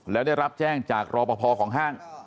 แล้วได้รับแจ้งจากรอปภของห้าง